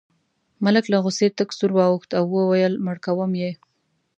ملک له غوسې تک سور واوښت او وویل مړ کوم یې.